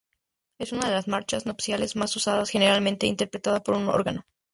Es una de las marchas nupciales más usadas, generalmente interpretada por un órgano.